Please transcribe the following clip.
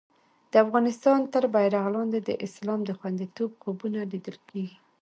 د افغانستان تر بېرغ لاندې د اسلام د خوندیتوب خوبونه لیدل کېږي.